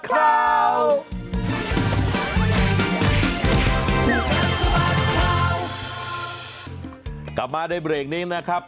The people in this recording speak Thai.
กลับมาในเบรกนี้นะครับ